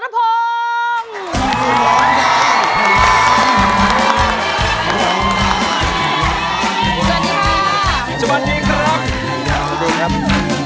ด้านล่างเขาก็มีความรักให้กันนั่งหน้าตาชื่นบานมากเลยนะคะ